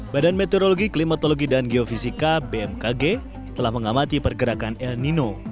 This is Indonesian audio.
badan meteorologi klimatologi dan geofisika bmkg telah mengamati pergerakan el nino